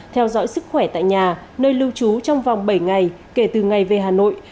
theo dõi sức khỏe tại nhà nơi lưu trú trong vòng bảy ngày kể từ ngày về hà nội